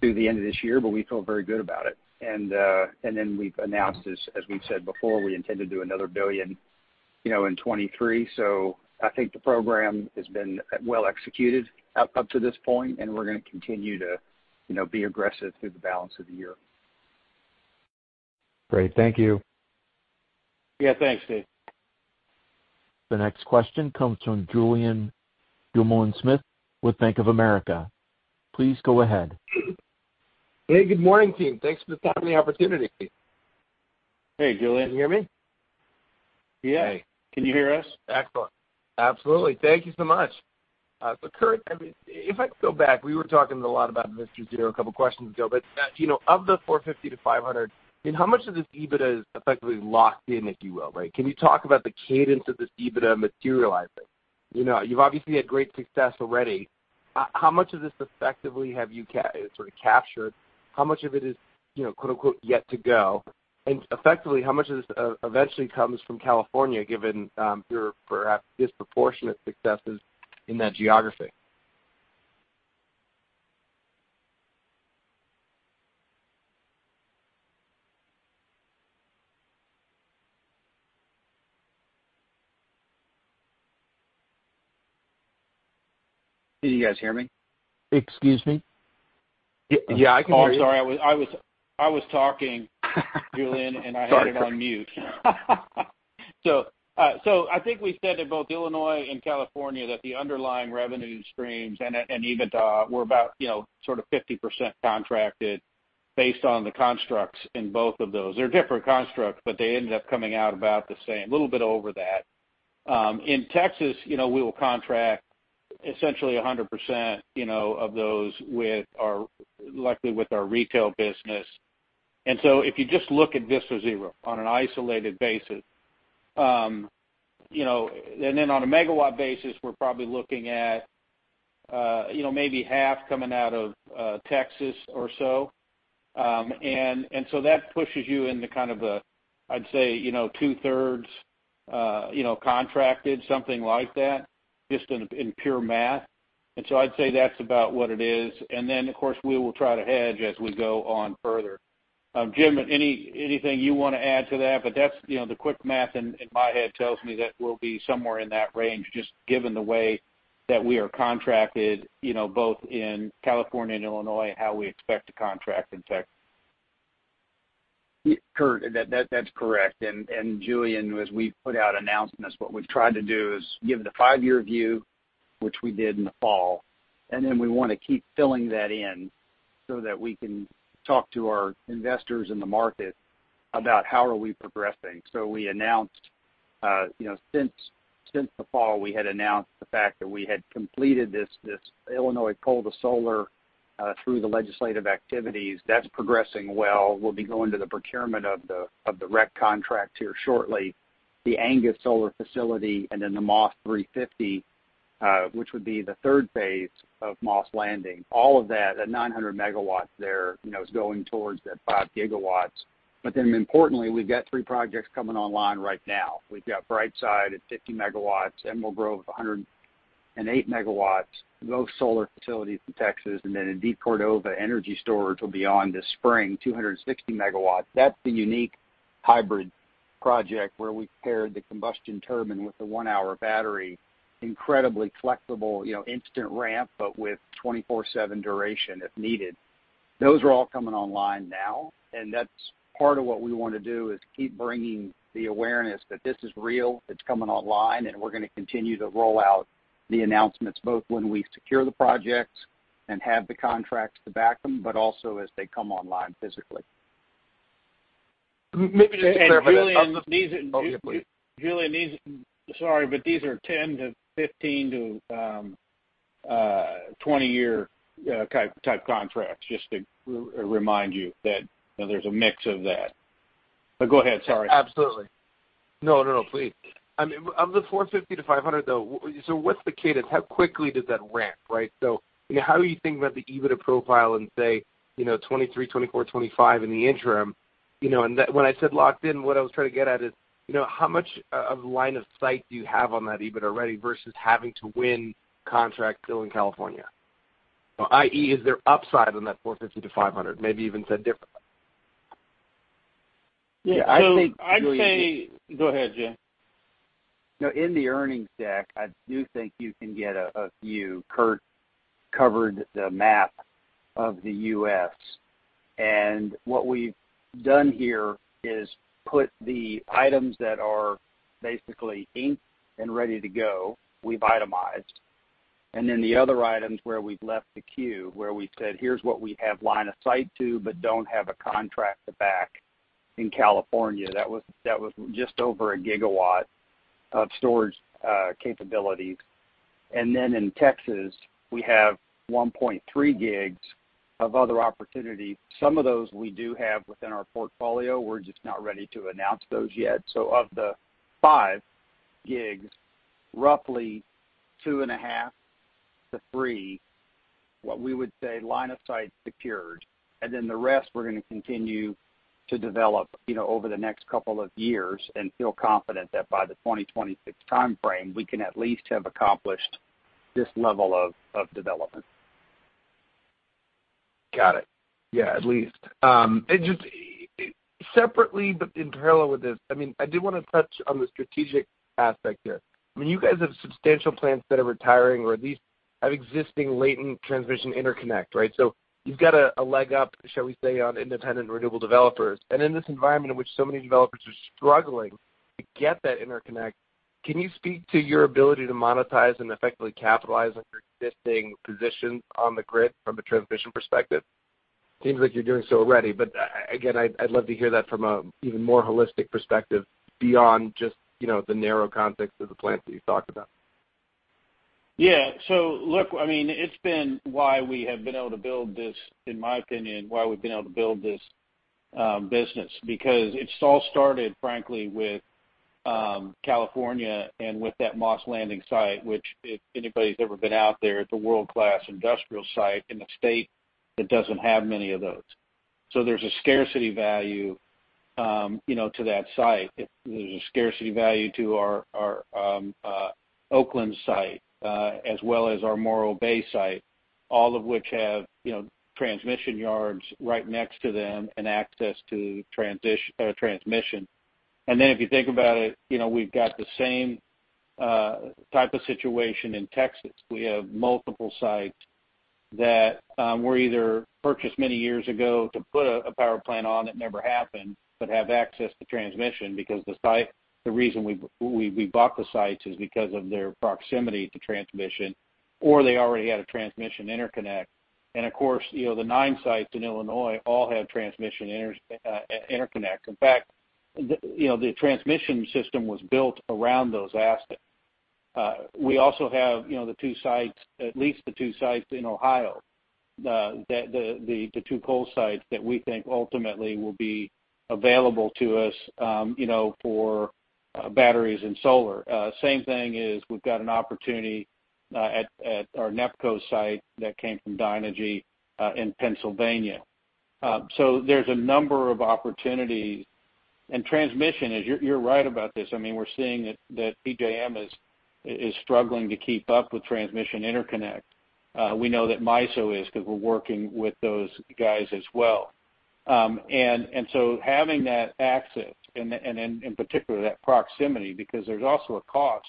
through the end of this year, but we feel very good about it. We've announced, as we've said before, we intend to do another $1 billion, you know, in 2023. I think the program has been well executed up to this point, and we're gonna continue to, you know, be aggressive through the balance of the year. Great. Thank you. Yeah, thanks, Steve. The next question comes from Julien Dumoulin-Smith with Bank of America. Please go ahead. Hey, good morning, team. Thanks for having the opportunity. Hey, Julien. Can you hear me? Yeah. Okay. Can you hear us? Excellent. Absolutely. Thank you so much. Curt, I mean, if I go back, we were talking a lot about Vistra Zero a couple questions ago, but you know, of the 450-500, I mean, how much of this EBITDA is effectively locked in, if you will, right? Can you talk about the cadence of this EBITDA materializing? You know, you've obviously had great success already. How much of this effectively have you sort of captured? How much of it is, you know, quote-unquote, yet to go? Effectively, how much of this eventually comes from California, given your perhaps disproportionate successes in that geography? Can you guys hear me? Excuse me? Yeah, I can hear you. Oh, sorry. I was talking Julien, and I had it on mute. I think we said in both Illinois and California that the underlying revenue streams and EBITDA were about, you know, sort of 50% contracted based on the constructs in both of those. They're different constructs, but they ended up coming out about the same, a little bit over that. In Texas, you know, we will contract essentially 100%, you know, of those likely with our retail business. If you just look at Vistra Zero on an isolated basis, you know. On a megawatt basis, we're probably looking at, you know, maybe half coming out of Texas or so. That pushes you into kind of a, I'd say, you know, two-thirds, you know, contracted, something like that, just in pure math. I'd say that's about what it is. Of course, we will try to hedge as we go on further. Jim, anything you wanna add to that? That's, you know, the quick math in my head tells me that we'll be somewhere in that range, just given the way that we are contracted, you know, both in California and Illinois, how we expect to contract in Texas. Curt, that's correct. Julien, as we put out announcements, what we've tried to do is give the five-year view, which we did in the fall. We want to keep filling that in so that we can talk to our investors in the market about how are we progressing. We announced, you know, since the fall, we had announced the fact that we had completed this Illinois coal-to-solar through the legislative activities. That's progressing well. We'll be going to the procurement of the REC contract here shortly. The Angus Solar facility and then the Moss 350, which would be the third phase of Moss Landing, all of that 900 MW there, you know, is going towards that 5 GW. Importantly, we've got 3 projects coming online right now. We've got Brightside at 50 MW, Emerald Grove, 108 MW, both solar facilities in Texas. In DeCordova, energy storage will be online this spring, 260 MW. That's the unique hybrid project where we paired the combustion turbine with the one-hour battery. Incredibly flexible, you know, instant ramp, but with 24/7 duration if needed. Those are all coming online now, and that's part of what we want to do is keep bringing the awareness that this is real, it's coming online, and we're going to continue to roll out the announcements both when we secure the projects and have the contracts to back them, but also as they come online physically. Maybe just to clarify on the Julien, these Oh, yeah, please. Julien, sorry, but these are 10- to 15- to 20-year type contracts, just to remind you that there's a mix of that. But go ahead, sorry. Absolutely. No, no, please. I mean, of the 450-500, though. What's the cadence? How quickly does that ramp, right? How are you thinking about the EBITDA profile in, say, you know, 2023, 2024, 2025 in the interim? You know, and that, when I said locked in, what I was trying to get at is, you know, how much of line of sight do you have on that EBITDA ready versus having to win contracts still in California? i.e., is there upside on that 450-500? Maybe even said differently. Yeah, I think. I'd say. Go ahead, Jim. No, in the earnings deck, I do think you can get a view. Curt covered the map of the U.S., and what we've done here is put the items that are basically inked and ready to go, we've itemized. Then the other items where we've left the queue, where we've said, here's what we have line of sight to, but don't have a contract to back in California. That was just over 1 GW of storage capabilities. In Texas, we have 1.3 GW of other opportunity. Some of those we do have within our portfolio. We're just not ready to announce those yet. Of the 5 GW, roughly 2.5 GW-3 GW, what we would say line of sight secured. The rest we're going to continue to develop, you know, over the next couple of years and feel confident that by the 2026 timeframe, we can at least have accomplished this level of development. Got it. Yeah, at least. Just separately, but in parallel with this, I mean, I do want to touch on the strategic aspect here. I mean, you guys have substantial plants that are retiring or at least have existing latent transmission interconnect, right? So you've got a leg up, shall we say, on independent renewable developers. In this environment in which so many developers are struggling to get that interconnect, can you speak to your ability to monetize and effectively capitalize on your existing positions on the grid from a transmission perspective? Seems like you're doing so already, but again, I'd love to hear that from an even more holistic perspective beyond just, you know, the narrow context of the plants that you talked about. Yeah. Look, I mean, it's been why we've been able to build this business, in my opinion. Because it's all started, frankly, with California and with that Moss Landing site, which if anybody's ever been out there, it's a world-class industrial site in a state that doesn't have many of those. So there's a scarcity value, you know, to that site. There's a scarcity value to our Oakland site, as well as our Morro Bay site, all of which have, you know, transmission yards right next to them and access to transmission. Then if you think about it, you know, we've got the same type of situation in Texas. We have multiple sites that were either purchased many years ago to put a power plant on that never happened, but have access to transmission because the site the reason we bought the sites is because of their proximity to transmission, or they already had a transmission interconnect. Of course, you know, the nine sites in Illinois all have transmission interconnect. In fact, you know, the transmission system was built around those assets. We also have, you know, the two sites, at least the two sites in Ohio that the two coal sites that we think ultimately will be available to us, you know, for batteries and solar. Same thing is we've got an opportunity at our NEPCO site that came from Dynegy in Pennsylvania. There's a number of opportunities. Transmission is. You're right about this. I mean, we're seeing that PJM is struggling to keep up with transmission interconnect. We know that MISO is because we're working with those guys as well. Having that access and, in particular, that proximity, because there's also a cost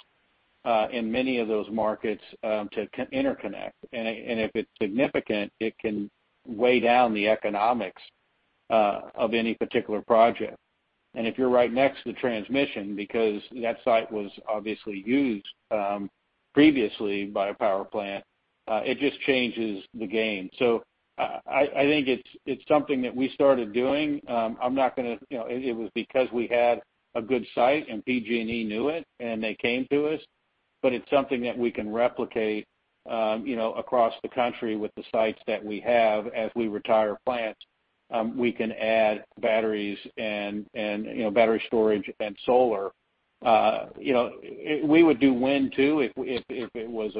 in many of those markets to interconnect. If it's significant, it can weigh down the economics of any particular project. If you're right next to the transmission because that site was obviously used previously by a power plant, it just changes the game. I think it's something that we started doing. I'm not gonna. It was because we had a good site, and PG&E knew it, and they came to us. It's something that we can replicate, you know, across the country with the sites that we have as we retire plants. We can add batteries and you know, battery storage and solar. You know, we would do wind too if it was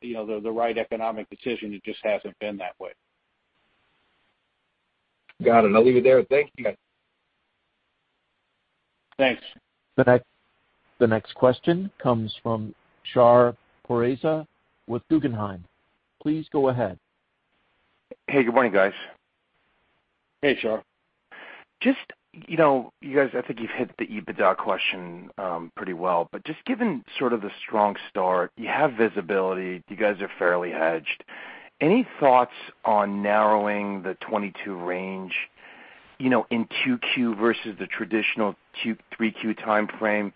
you know, the right economic decision. It just hasn't been that way. Got it. I'll leave it there. Thank you. Thanks. The next question comes from Shar Pourreza with Guggenheim. Please go ahead. Hey, good morning, guys. Hey, Shar. Just, you know, you guys, I think you've hit the EBITDA question pretty well. Just given sort of the strong start, you have visibility, you guys are fairly hedged. Any thoughts on narrowing the 2022 range, you know, in 2Q versus the traditional 2Q, 3Q timeframe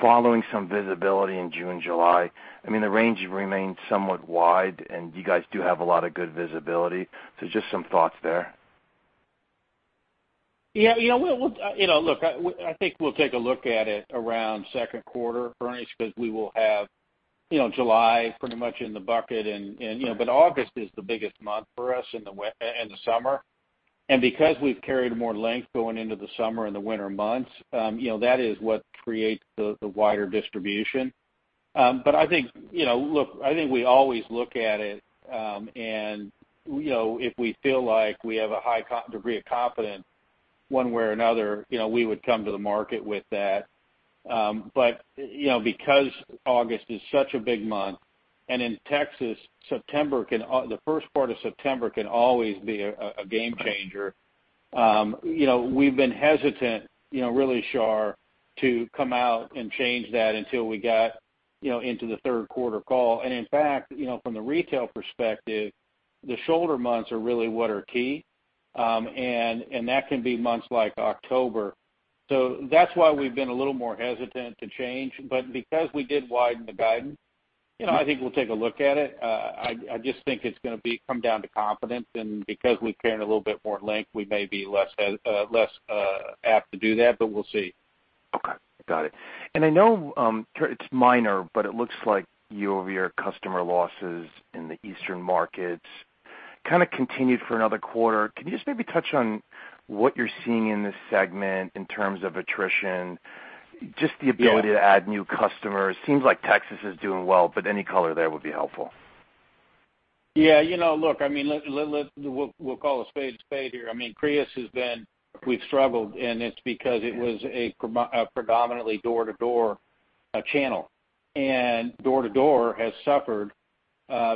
following some visibility in June, July? I mean, the range remains somewhat wide, and you guys do have a lot of good visibility. Just some thoughts there. Yeah, you know, we'll. You know, look, I think we'll take a look at it around second quarter, Shar, because we will have, you know, July pretty much in the bucket and, you know. August is the biggest month for us in the summer. Because we've carried more length going into the summer and the winter months, you know, that is what creates the wider distribution. I think, you know, look, I think we always look at it, and, you know, if we feel like we have a high degree of confidence one way or another, you know, we would come to the market with that. You know, because August is such a big month, and in Texas, the first part of September can always be a game changer. You know, we've been hesitant, you know, really, Shar, to come out and change that until we got, you know, into the third quarter call. In fact, you know, from the retail perspective, the shoulder months are really what are key, and that can be months like October. That's why we've been a little more hesitant to change. Because we did widen the guidance, you know, I think we'll take a look at it. I just think it's gonna come down to confidence. Because we've carried a little bit more length, we may be less apt to do that, but we'll see. Okay. Got it. I know it's minor, but it looks like year-over-year customer losses in the eastern markets kind of continued for another quarter. Can you just maybe touch on what you're seeing in this segment in terms of attrition, just the ability? Yeah. to add new customers? Seems like Texas is doing well, but any color there would be helpful. Yeah. You know, look, I mean, we'll call a spade a spade here. I mean, Crius has been. We've struggled, and it's because it was predominantly door-to-door channel. Door-to-door has suffered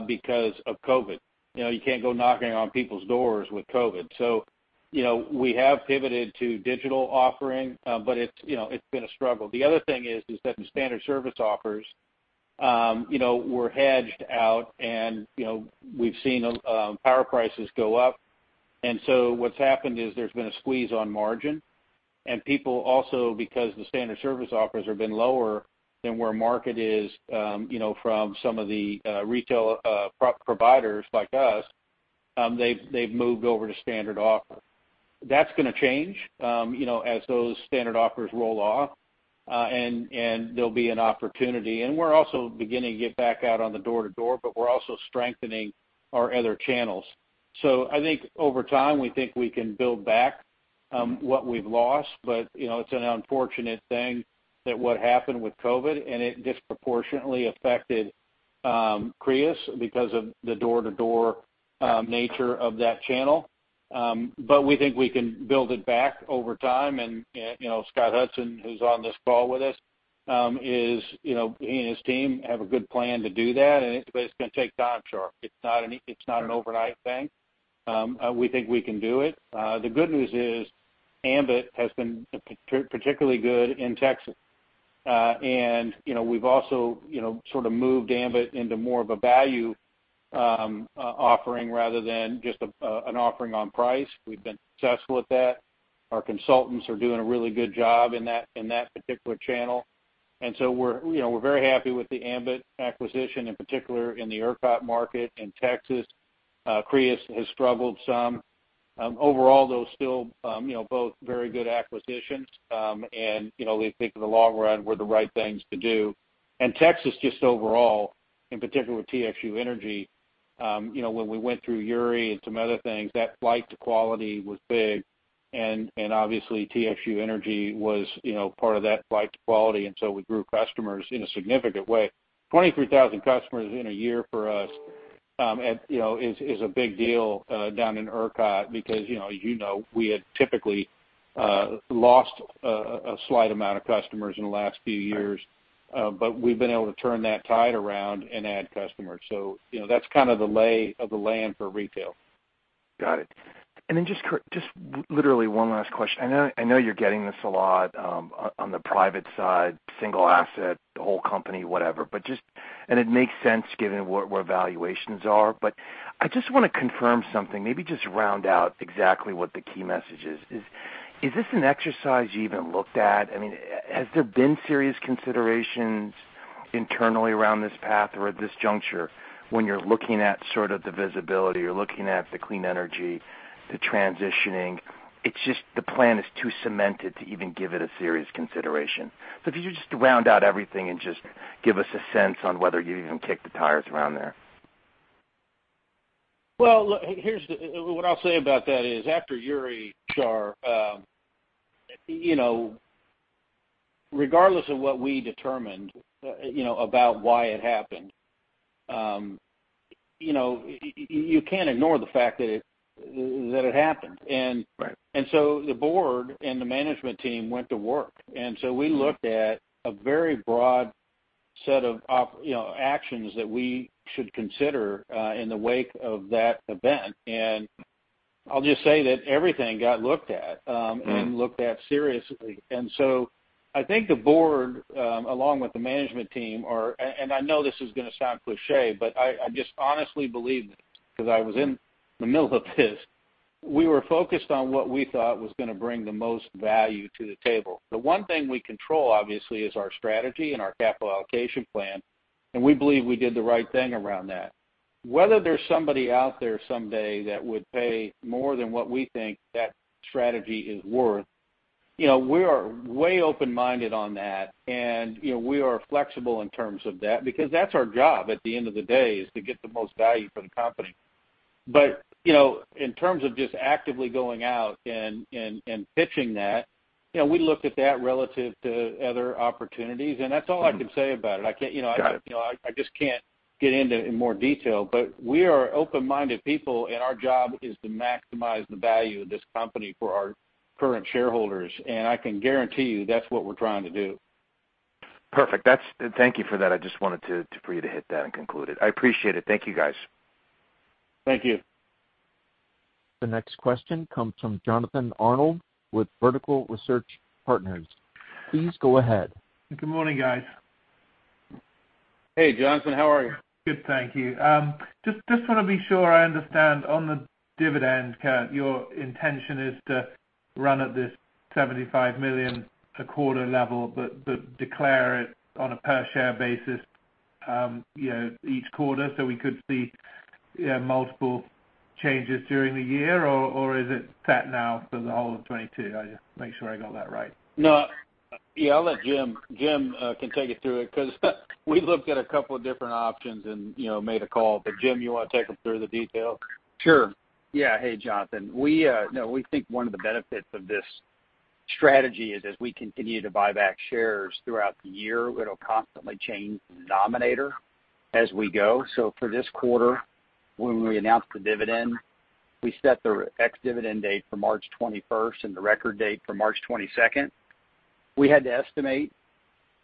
because of COVID. You know, you can't go knocking on people's doors with COVID. You know, we have pivoted to digital offering, but it's, you know, it's been a struggle. The other thing is that the standard service offers, you know, were hedged out and, you know, we've seen power prices go up. What's happened is there's been a squeeze on margin. People also, because the standard service offers have been lower than where market is, you know, from some of the retail providers like us, they've moved over to standard offer. That's gonna change, you know, as those standard offers roll off, and there'll be an opportunity. We're also beginning to get back out on the door-to-door, but we're also strengthening our other channels. I think over time, we think we can build back what we've lost. You know, it's an unfortunate thing that what happened with COVID, and it disproportionately affected Crius because of the door-to-door nature of that channel. We think we can build it back over time. You know, Scott Hudson, who's on this call with us, is, he and his team have a good plan to do that, but it's gonna take time, Shar. It's not an overnight thing. We think we can do it. The good news is Ambit has been particularly good in Texas. And, you know, we've also, you know, sort of moved Ambit into more of a value offering rather than just a an offering on price. We've been successful at that. Our consultants are doing a really good job in that particular channel. We're, you know, very happy with the Ambit acquisition, in particular in the ERCOT market in Texas. Crius has struggled some. Overall, though, still, you know, both very good acquisitions. And, you know, we think in the long run we're the right things to do. Texas just overall, in particular with TXU Energy, you know, when we went through Uri and some other things, that flight to quality was big. Obviously, TXU Energy was, you know, part of that flight to quality, and so we grew customers in a significant way. 23,000 customers in a year for us is a big deal down in ERCOT because, you know, as you know, we had typically lost a slight amount of customers in the last few years. But we've been able to turn that tide around and add customers. You know, that's kind of the lay of the land for retail. Got it. Just literally one last question. I know you're getting this a lot, on the private side, single asset, the whole company, whatever. It makes sense given where valuations are. I just want to confirm something, maybe just round out exactly what the key message is. Is this an exercise you even looked at? I mean, has there been serious considerations internally around this path or at this juncture when you're looking at sort of the visibility, you're looking at the clean energy, the transitioning? It's just the plan is too cemented to even give it a serious consideration. If you just round out everything and just give us a sense on whether you even kicked the tires around there. Well, look, what I'll say about that is after Uri, you know, regardless of what we determined, you know, about why it happened, you know, you can't ignore the fact that it happened. Right. The board and the management team went to work. We looked at a very broad set of, you know, actions that we should consider in the wake of that event. I'll just say that everything got looked at and looked at seriously. I think the board, along with the management team and I know this is gonna sound cliché, but I just honestly believe this because I was in the middle of this. We were focused on what we thought was gonna bring the most value to the table. The one thing we control, obviously, is our strategy and our capital allocation plan, and we believe we did the right thing around that. Whether there's somebody out there someday that would pay more than what we think that strategy is worth, you know, we are way open-minded on that. You know, we are flexible in terms of that because that's our job at the end of the day, is to get the most value for the company. You know, in terms of just actively going out and pitching that, you know, we looked at that relative to other opportunities, and that's all I can say about it. I can't, you know- Got it. You know, I just can't get into it in more detail. We are open-minded people, and our job is to maximize the value of this company for our current shareholders. I can guarantee you that's what we're trying to do. Perfect. Thank you for that. I just wanted for you to hit that and conclude it. I appreciate it. Thank you, guys. Thank you. The next question comes from Jonathan Arnold with Vertical Research Partners. Please go ahead. Good morning, guys. Hey, Jonathan. How are you? Good, thank you. Just wanna be sure I understand on the dividend, Curt, your intention is to run at this $75 million a quarter level, but declare it on a per share basis, you know, each quarter, so we could see, you know, multiple changes during the year? Or is it set now for the whole of 2022? I just want to make sure I got that right. No. Yeah, I'll let Jim take you through it 'cause we looked at a couple of different options and, you know, made a call. Jim, you wanna take them through the detail? Sure. Yeah. Hey, Jonathan. We, you know, we think one of the benefits of this strategy is as we continue to buy back shares throughout the year, it'll constantly change the denominator as we go. For this quarter, when we announced the dividend, we set the ex-dividend date for March 21 and the record date for March 22. We had to estimate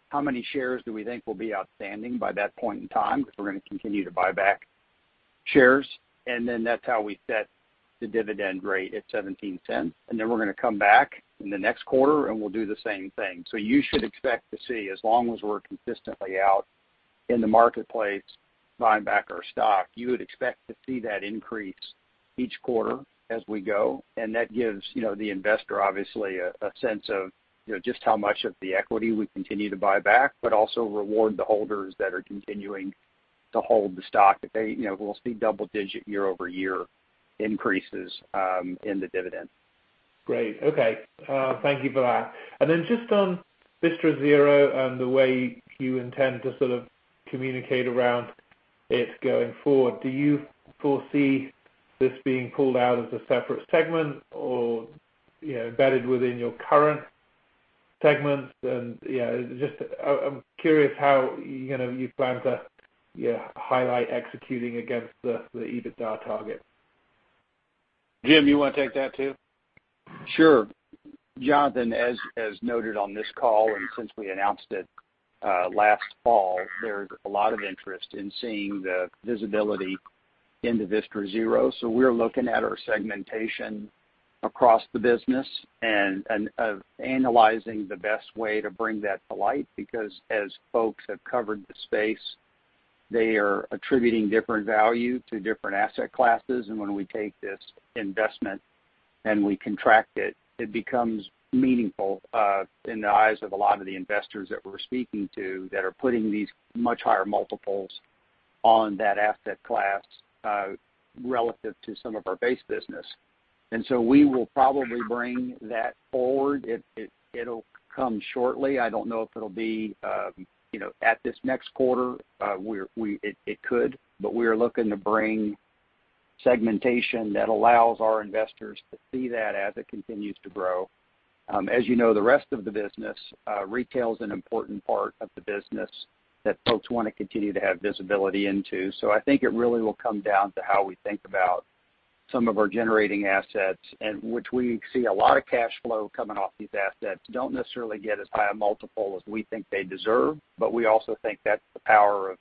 how many shares do we think will be outstanding by that point in time, because we're gonna continue to buy back shares. That's how we set the dividend rate at $0.17. We're gonna come back in the next quarter, and we'll do the same thing. You should expect to see, as long as we're consistently out in the marketplace buying back our stock, you would expect to see that increase each quarter as we go. That gives, you know, the investor obviously a sense of, you know, just how much of the equity we continue to buy back, but also reward the holders that are continuing to hold the stock that they, you know, we'll see double-digit year-over-year increases in the dividend. Great. Okay. Thank you for that. Just on Vistra Zero and the way you intend to sort of communicate around it going forward, do you foresee this being pulled out as a separate segment or, you know, embedded within your current segments? You know, just I'm curious how, you know, you plan to, you know, highlight executing against the EBITDA target? Jim, you wanna take that too? Sure. Jonathan, as noted on this call, and since we announced it last fall, there's a lot of interest in seeing the visibility into Vistra Zero. We're looking at our segmentation across the business and analyzing the best way to bring that to light because as folks have covered the space, they are attributing different value to different asset classes. When we take this investment and we contract it becomes meaningful in the eyes of a lot of the investors that we're speaking to that are putting these much higher multiples on that asset class relative to some of our base business. We will probably bring that forward. It'll come shortly. I don't know if it'll be you know, at this next quarter. It could. We are looking to bring segmentation that allows our investors to see that as it continues to grow. As you know, the rest of the business, retail is an important part of the business that folks wanna continue to have visibility into. I think it really will come down to how we think about some of our generating assets and which we see a lot of cash flow coming off these assets. Don't necessarily get as high a multiple as we think they deserve, but we also think that's the power of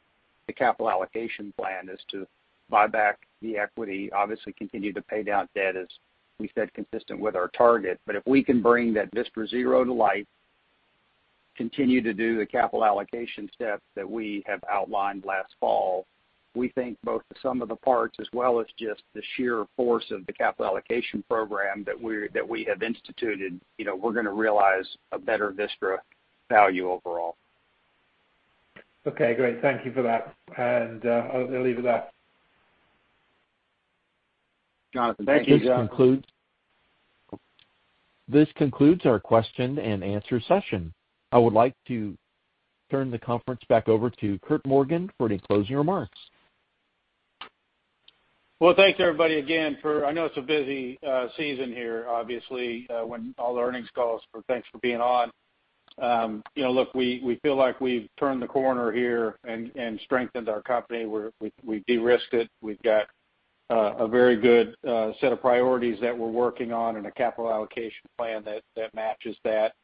the capital allocation plan is to buy back the equity, obviously continue to pay down debt, as we said, consistent with our target. If we can bring that Vistra Zero to light, continue to do the capital allocation steps that we have outlined last fall, we think both the sum of the parts as well as just the sheer force of the capital allocation program that we have instituted, you know, we're gonna realize a better Vistra value overall. Okay, great. Thank you for that. I'll leave it at that. Jonathan, thank you. This concludes our question and answer session. I would like to turn the conference back over to Curt Morgan for any closing remarks. Well, thanks everybody again. I know it's a busy season here, obviously, when all the earnings calls. Thanks for being on. You know, look, we feel like we've turned the corner here and strengthened our company. We de-risked it. We've got a very good set of priorities that we're working on and a capital allocation plan that matches that.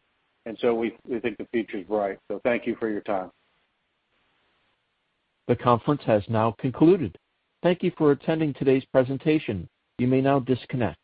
We think the future is bright. Thank you for your time. The conference has now concluded. Thank you for attending today's presentation. You may now disconnect.